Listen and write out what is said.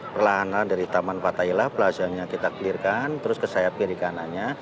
perlahan lah dari taman patailah plazanya kita clear kan terus ke sayap kiri kanannya